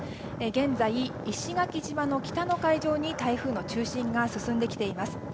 現在、石垣島の北の海上に台風の中心が進んできています。